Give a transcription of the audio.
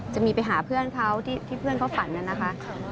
ไปหาเพื่อนเขาที่เพื่อนเขาฝันนั่นนะคะ